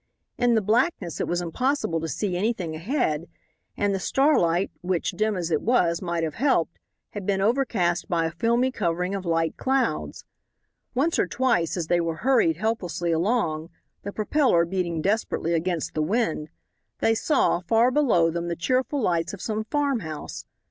In the blackness it was impossible to see anything ahead, and the starlight, which, dim as it was, might have helped, had been overcast by a filmy covering of light clouds. Once or twice as they were hurried helplessly along, the propeller beating desperately against the wind, they saw, far below them, the cheerful lights of some farmhouse.